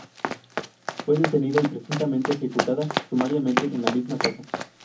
Fue detenida y presuntamente ejecutada sumariamente en la misma casa.